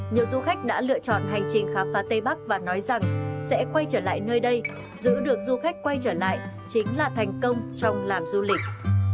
nhiều du khách đã lựa chọn hành trình khám phá tây bắc và nói rằng sẽ quay trở lại nơi đây giữ được du khách quay trở lại chính là thành công trong làm du lịch